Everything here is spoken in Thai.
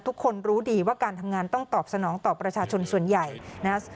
ทุกคนรู้ดีว่าการทำงานต้องตอบสนองต่อประชาชนส่วนใหญ่นะ